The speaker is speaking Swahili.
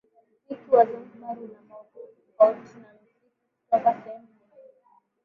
Muziki wa zanzibar una maudhui tofauti na muziki kutoka sehemu nyingine